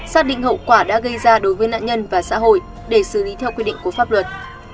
xác định hậu quả đã gây ra đối với nạn nhân và xã hội để xử lý theo quy định của pháp luật